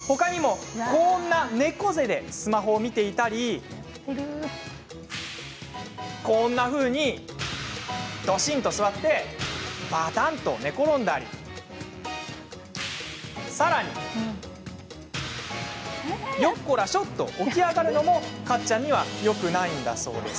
ほかにも、こんな猫背でスマホを見ていたりこんなふうにドシンと座ってバタンと寝転んだりさらにヨッコラショと起き上がるのもカッちゃんにはよくないんです！